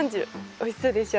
おいしそうでしょ。